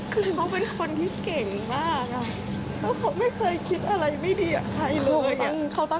คือเขาเป็นคนที่เก่งมากแล้วเขาไม่เคยคิดอะไรไม่ดีกับใครเลย